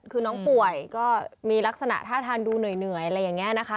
คือน้องป่วยก็มีลักษณะท่าทางดูเหนื่อยอะไรอย่างนี้นะคะ